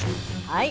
はい。